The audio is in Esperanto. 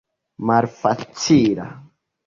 malfacila